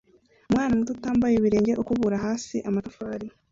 Umwana muto utambaye ibirenge ukubura hasi amatafari